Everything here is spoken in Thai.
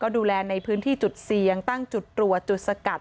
ดูแลในพื้นที่จุดเสี่ยงตั้งจุดตรวจจุดสกัด